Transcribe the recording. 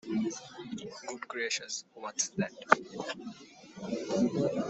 Good gracious, what's that?